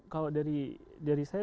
kalau dari saya